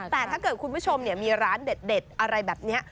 แต่ถ้าเกิดคุณผู้ชมมีร้านเด็ดอะไรแบบนี้